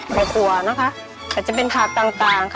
ปลาขั่วจะเป็นฐานต่าง